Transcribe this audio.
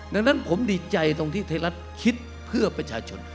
ดังนั้นผมดีใจตรงที่ไทยรัฐคิดเพื่อประชาชน